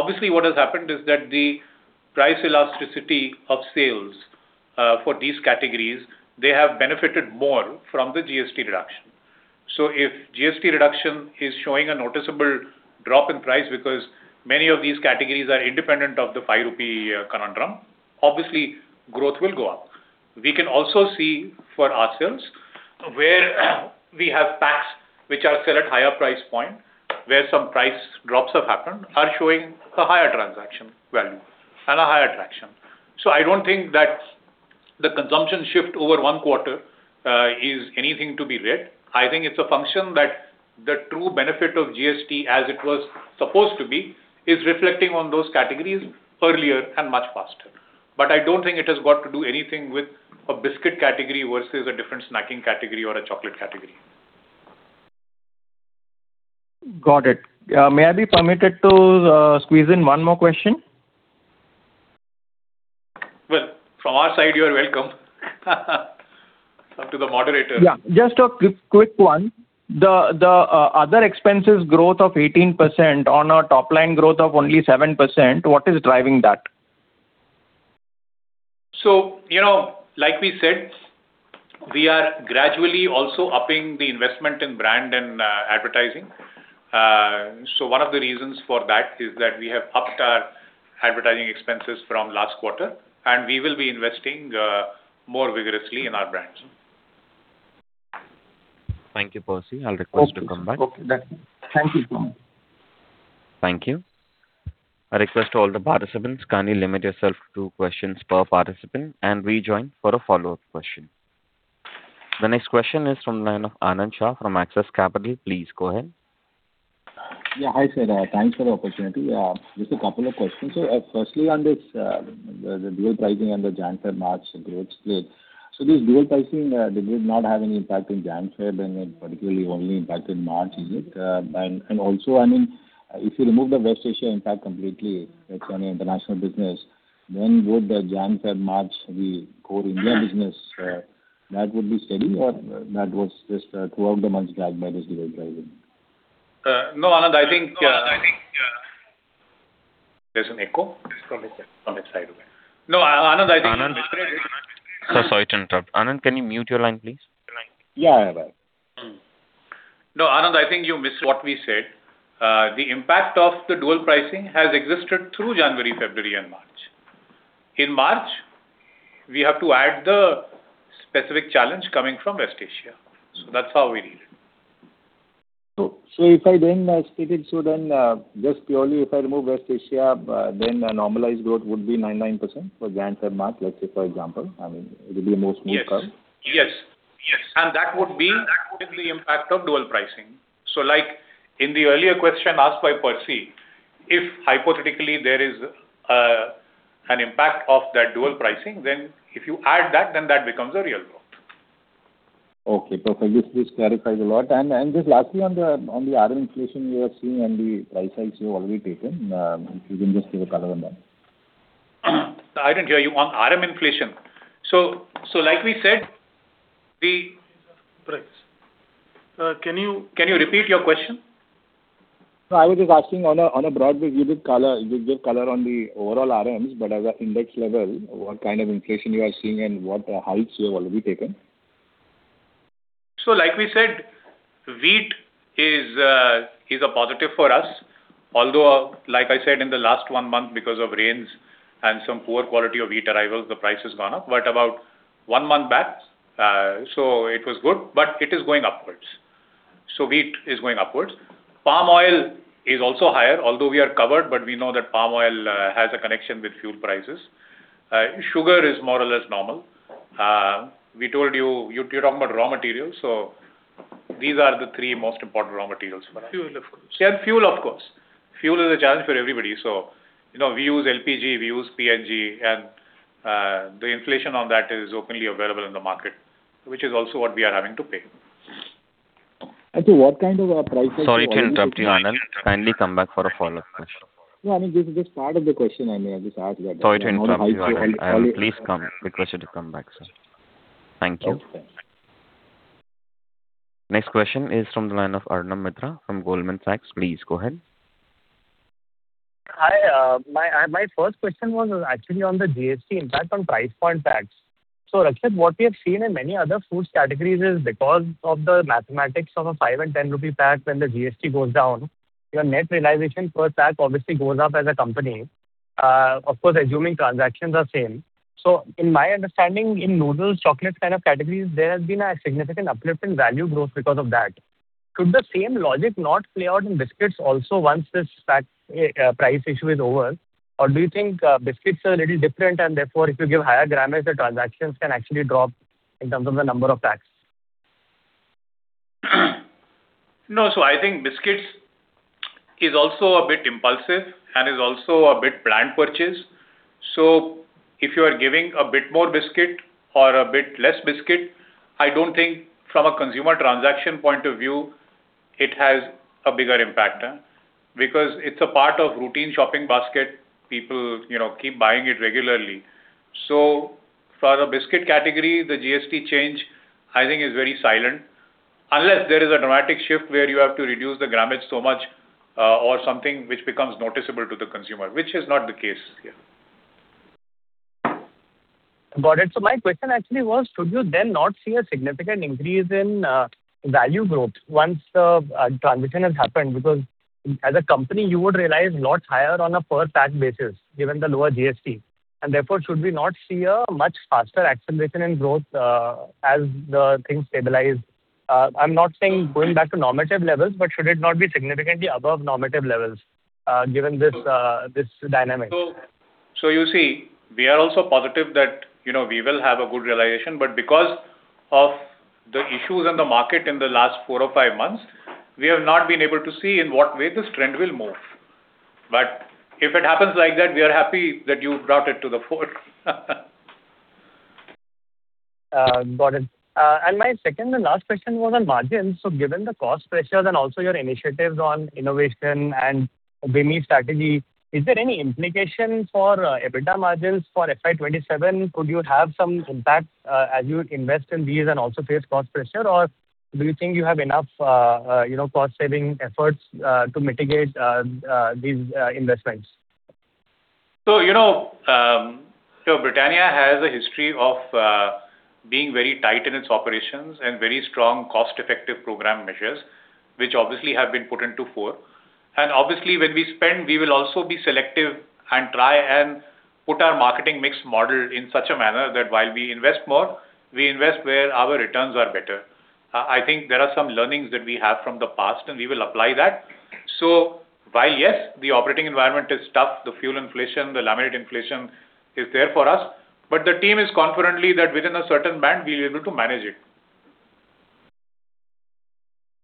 Obviously, what has happened is that the price elasticity of sales for these categories, they have benefited more from the GST reduction. If GST reduction is showing a noticeable drop in price because many of these categories are independent of the 5 rupee conundrum, obviously growth will go up. We can also see for ourselves where we have packs which are still at higher price point, where some price drops have happened, are showing a higher transaction value and a higher traction. I don't think that the consumption shift over 1 quarter is anything to be read. I think it's a function that the true benefit of GST as it was supposed to be is reflecting on those categories earlier and much faster. I don't think it has got to do anything with a biscuit category versus a different snacking category or a chocolate category. Got it. May I be permitted to squeeze in one more question? Well, from our side, you are welcome. Up to the moderator. Yeah, just a quick one. The other expenses growth of 18% on a top line growth of only 7%, what is driving that? You know, like we said, we are gradually also upping the investment in brand and advertising. One of the reasons for that is that we have upped our advertising expenses from last quarter, and we will be investing more vigorously in our brands. Thank you, Percy. I'll request you to come back. Okay. Okay. That's it. Thank you. Thank you. I request to all the participants, kindly limit yourself to two questions per participant and rejoin for a follow-up question. The next question is from line of Anand Shah from Axis Capital. Please go ahead. Hi, sir. Thanks for the opportunity. Just a couple of questions. Firstly on this, the dual pricing and the Jan, Feb, March growth split. This dual pricing, did it not have any impact in Jan, Feb, and then particularly only impact in March, is it? Also, I mean, if you remove the West Asia impact completely, that's on your international business, then would the Jan, Feb, March, the core India business, that would be steady or that was just, throughout the months dragged by this dual pricing? No, Anand, I think there's an echo from his end, from his side. Anand. Sir, sorry to interrupt. Anand, can you mute your line, please? Yeah. Right. Anand, I think you missed what we said. The impact of the dual pricing has existed through January, February and March. In March, we have to add the specific challenge coming from West Asia. That's how we read it. If I split it, just purely if I remove West Asia, then a normalized growth would be 9%-9% for January, February, March, let's say for example. I mean, it would be a more smooth curve. Yes. Yes. Yes. That would be the impact of dual pricing. Like in the earlier question asked by Percy, if hypothetically there is an impact of that dual pricing, then if you add that, then that becomes a real growth. Okay, perfect. This clarifies a lot. Just lastly on the, on the RM inflation you are seeing and the price hikes you have already taken, if you can just give a color on that? I didn't hear you. On RM inflation. Like we said, Can you repeat your question? I was just asking on a broad view, you gave color on the overall RMs, at the index level, what kind of inflation you are seeing and what hikes you have already taken? Like we said, wheat is a positive for us. Although, like I said, in the last one month because of rains and some poor quality of wheat arrivals, the price has gone up. About one month back, it was good, but it is going upwards. Wheat is going upwards. Palm oil is also higher, although we are covered, but we know that palm oil has a connection with fuel prices. Sugar is more or less normal. We told you're talking about raw materials, these are the three most important raw materials for us. Fuel, of course. Yeah, fuel, of course. Fuel is a challenge for everybody. You know, we use LPG, we use PNG, and the inflation on that is openly available in the market, which is also what we are having to pay. Actually, what kind of prices? Sorry to interrupt you, Anand. Kindly come back for a follow-up question. Yeah, I mean, this is just part of the question. I mean, I just asked that. Sorry to interrupt you, Anand. Please come. Request you to come back, sir. Thank you. Okay. Next question is from the line of Arnab Mitra from Goldman Sachs. Please go ahead. Hi. My first question was actually on the GST impact on price point packs. Rakshit, what we have seen in many other foods categories is because of the mathematics of an 5 and 10 rupee pack, when the GST goes down, your net realization per pack obviously goes up as a company, of course, assuming transactions are same. In my understanding, in noodles, chocolates kind of categories, there has been a significant uplift in value growth because of that. Could the same logic not play out in biscuits also once this pack price issue is over? Or do you think biscuits are a little different and therefore if you give higher grammage, the transactions can actually drop in terms of the number of packs? No. I think biscuits is also a bit impulsive and is also a bit planned purchase. If you are giving a bit more biscuit or a bit less biscuit, I don't think from a consumer transaction point of view it has a bigger impact because it's a part of routine shopping basket. People, you know, keep buying it regularly. For the biscuit category, the GST change I think is very silent. Unless there is a dramatic shift where you have to reduce the grammage so much or something which becomes noticeable to the consumer, which is not the case here. Got it. My question actually was, should you then not see a significant increase in value growth once the transition has happened? Because as a company, you would realize lots higher on a per pack basis, given the lower GST. Therefore should we not see a much faster acceleration in growth as the things stabilize? I'm not saying going back to normative levels, but should it not be significantly above normative levels given this dynamic? You see, we are also positive that, you know, we will have a good realization. Because of the issues in the market in the last four or five months, we have not been able to see in what way this trend will move. If it happens like that, we are happy that you brought it to the fore. Got it. My second and last question was on margins. Given the cost pressures and also your initiatives on innovation and [VMI] strategy, is there any implication for EBITDA margins for FY 2027? Could you have some impact as you invest in these and also face cost pressure? Or do you think you have enough, you know, cost-saving efforts to mitigate these investments? You know, Britannia has a history of being very tight in its operations and very strong cost-effective program measures, which obviously have been put into force. Obviously, when we spend, we will also be selective and try and put our marketing mix model in such a manner that while we invest more, we invest where our returns are better. I think there are some learnings that we have from the past, and we will apply that. While, yes, the operating environment is tough, the fuel inflation, the laminate inflation is there for us, but the team is confident that within a certain band we'll be able to manage it.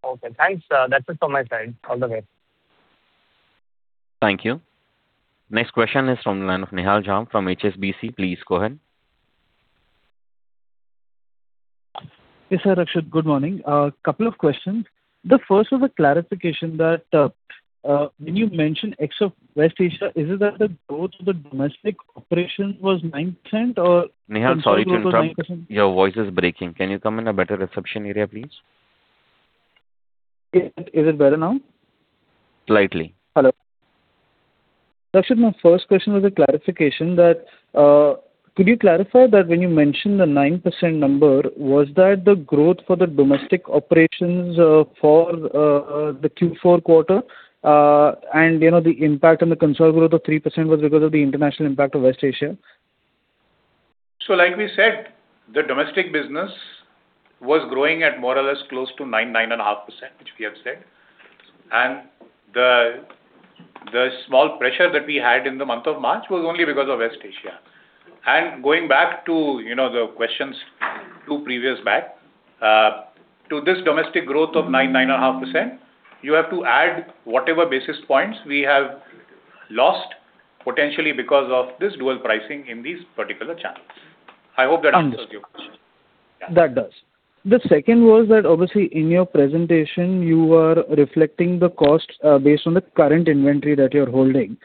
Okay, thanks. That's it from my side. All the best. Thank you. Next question is from the line of Nihal Jham from HSBC. Please go ahead. Yes, sir, Rakshit. Good morning. I have two questions. The first was a clarification that, when you mentioned ex of West Asia, is it that the growth of the domestic operation was 9% or- Nihal, sorry to interrupt. Your voice is breaking. Can you come in a better reception area, please? Is it better now? Slightly. Hello. Rakshit, my first question was a clarification that, could you clarify that when you mentioned the 9% number, was that the growth for the domestic operations for the Q4 quarter? You know, the impact on the consolidated growth of 3% was because of the international impact of West Asia. Like we said, the domestic business was growing at more or less close to 9.5%, which we have said. The small pressure that we had in the month of March was only because of West Asia. Going back to, you know, the questions two previous back to this domestic growth of 9.5%, you have to add whatever basis points we have lost potentially because of this dual pricing in these particular channels. I hope that answers your question. Understood. That does. The second was that obviously in your presentation you are reflecting the costs, based on the current inventory that you're holding.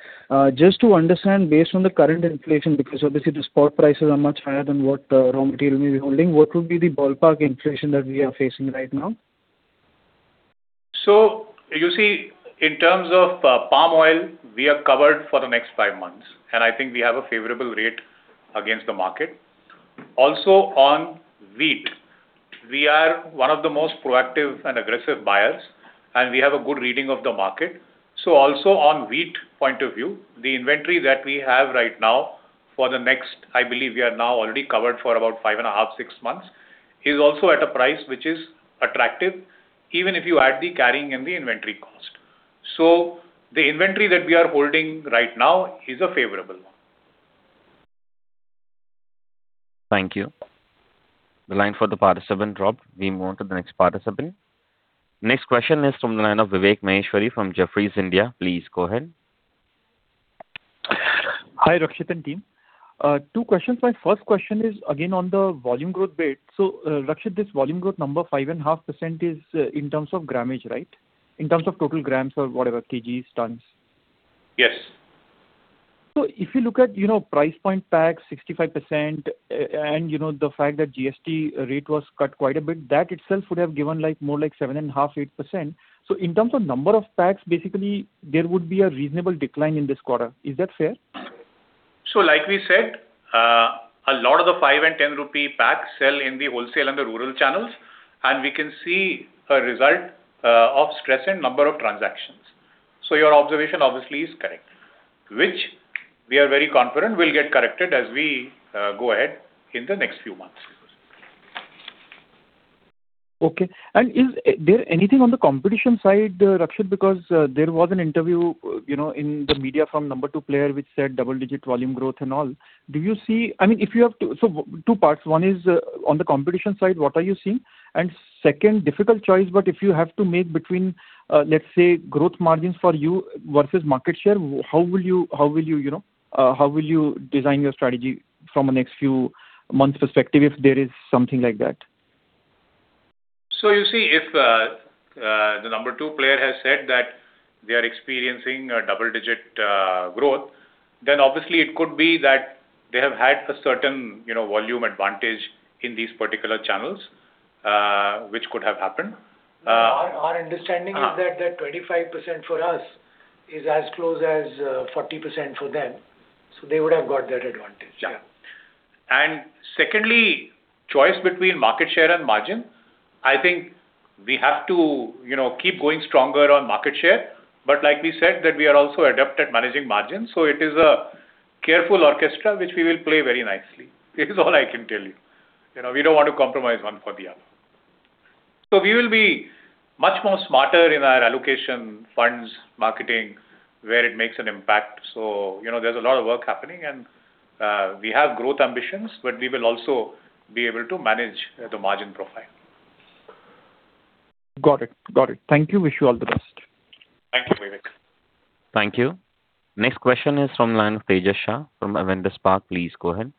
Just to understand based on the current inflation, because obviously the spot prices are much higher than what the raw material may be holding, what would be the ballpark inflation that we are facing right now? You see, in terms of palm oil, we are covered for the next five months, and I think we have a favorable rate against the market. Also on wheat, we are one of the most proactive and aggressive buyers, and we have a good reading of the market. Also on wheat point of view, the inventory that we have right now for the next, I believe we are now already covered for about five and a half, six months, is also at a price which is attractive even if you add the carrying and the inventory cost. The inventory that we are holding right now is a favorable one. Thank you. The line for the participant dropped. We move on to the next participant. Next question is from the line of Vivek Maheshwari from Jefferies India. Please go ahead. Hi, Rakshit and team. Two questions. My first question is again on the volume growth bit. Rakshit, this volume growth number 5.5% is in terms of grammage, right? In terms of total grams or whatever, kgs, tons. Yes. If you look at, you know, price point packs 65%, and you know the fact that GST rate was cut quite a bit, that itself would have given like more like 7.5%, 8%. In terms of number of packs, basically there would be a reasonable decline in this quarter. Is that fair? Like we said, a lot of the 5 and 10 rupee packs sell in the wholesale and the rural channels, and we can see a result of stress in number of transactions. Your observation obviously is correct, which we are very confident will get corrected as we go ahead in the next few months. Okay. Is there anything on the competition side, Rakshit? Because there was an interview, you know, in the media from number two player which said double-digit volume growth and all. Do you see, I mean, if you have to, two parts. One is on the competition side, what are you seeing? Second, difficult choice, but if you have to make between, let's say growth margins for you versus market share, how will you know, design your strategy from a next few months perspective, if there is something like that? You see, if the number two player has said that they are experiencing a double-digit growth, then obviously it could be that they have had a certain, you know, volume advantage in these particular channels. Which could have happened. Our understanding is. The 25% for us is as close as 40% for them, so they would have got that advantage. Yeah. Secondly, choice between market share and margin. I think we have to, you know, keep going stronger on market share. Like we said, that we are also adept at managing margins, so it is a careful orchestra which we will play very nicely is all I can tell you. You know, we don't want to compromise one for the other. We will be much more smarter in our allocation, funds, marketing, where it makes an impact. You know, there's a lot of work happening and we have growth ambitions, but we will also be able to manage the margin profile. Got it. Got it. Thank you. Wish you all the best. Thank you, Vivek. Thank you. Next question is from line of Tejas Shah from Avendus Spark. Please go ahead.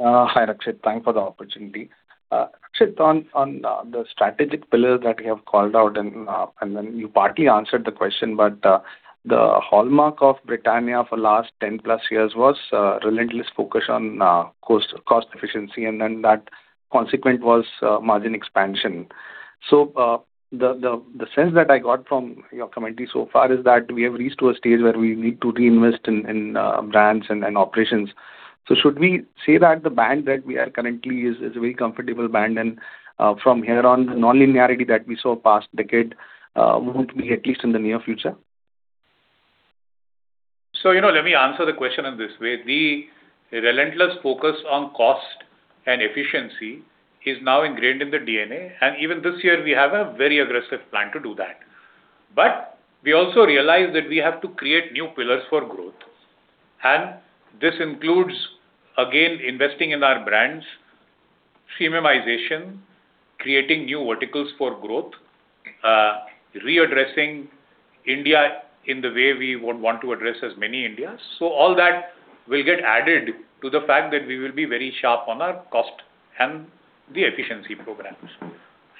Hi, Rakshit. Thank you for the opportunity. Rakshit, on the strategic pillar that you have called out and then you partly answered the question, but the hallmark of Britannia for last 10+ years was relentless focus on cost efficiency, and then that consequent was margin expansion. The sense that I got from your commentary so far is that we have reached to a stage where we need to reinvest in brands and operations. Should we say that the band that we are currently is very comfortable band and from here on, the non-linearity that we saw past decade won't be at least in the near future? You know, let me answer the question in this way. The relentless focus on cost and efficiency is now ingrained in the DNA. Even this year, we have a very aggressive plan to do that. We also realize that we have to create new pillars for growth. This includes, again, investing in our brands, premiumization, creating new verticals for growth, readdressing India in the way we would want to address as many Indias. All that will get added to the fact that we will be very sharp on our cost and the efficiency programs.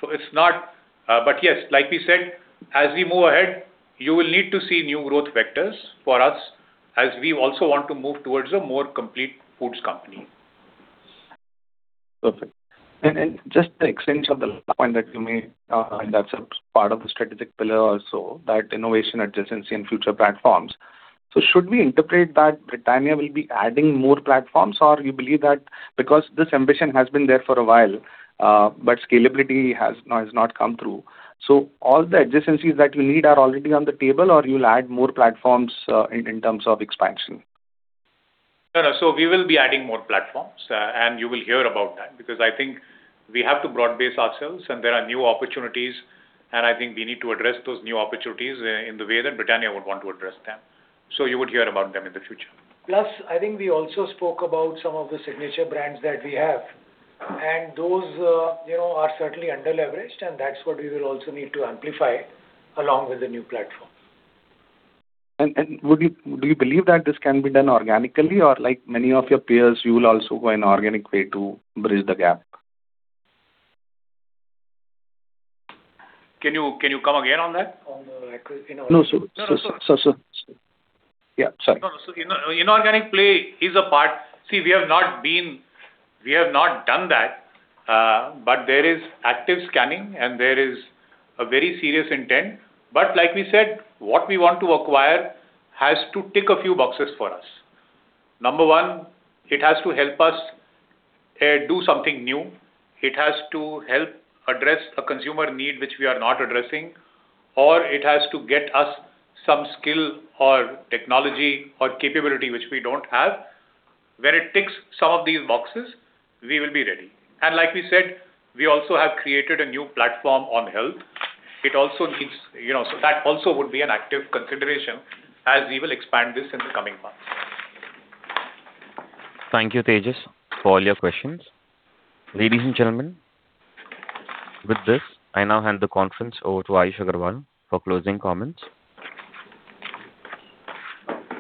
It's not, but yes, like we said, as we move ahead, you will need to see new growth vectors for us as we also want to move towards a more complete foods company. Perfect. Just the extension of the point that you made, and that's a part of the strategic pillar also, that innovation adjacency and future platforms. Should we interpret that Britannia will be adding more platforms, or you believe that because this ambition has been there for a while, but scalability has not come through. All the adjacencies that you need are already on the table, or you'll add more platforms, in terms of expansion? No, no. We will be adding more platforms, and you will hear about that because I think we have to broad base ourselves and there are new opportunities, and I think we need to address those new opportunities in the way that Britannia would want to address them. You would hear about them in the future. I think we also spoke about some of the signature brands that we have, and those, you know, are certainly underleveraged, and that's what we will also need to amplify along with the new platform. Do you believe that this can be done organically or like many of your peers, you will also go an inorganic way to bridge the gap? Can you come again on that? No, sir. Sir, sir. No, no, sir. Sir. Yeah, sorry. No, no, sir. Inorganic play is a part. We have not done that, but there is active scanning and there is a very serious intent. Like we said, what we want to acquire has to tick a few boxes for us. Number one, it has to help us do something new. It has to help address a consumer need which we are not addressing, or it has to get us some skill or technology or capability which we don't have. When it ticks some of these boxes, we will be ready. Like we said, we also have created a new platform on health. It also keeps, you know, that also would be an active consideration as we will expand this in the coming months. Thank you, Tejas, for all your questions. Ladies and gentlemen, with this, I now hand the conference over to Ayush Agarwal for closing comments.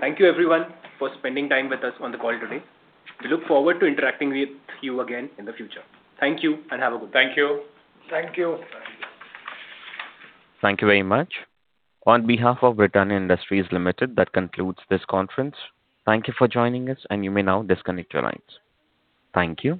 Thank you, everyone, for spending time with us on the call today. We look forward to interacting with you again in the future. Thank you, and have a good day. Thank you. Thank you. Thank you very much. On behalf of Britannia Industries Limited, that concludes this conference. Thank you for joining us, and you may now disconnect your lines. Thank you.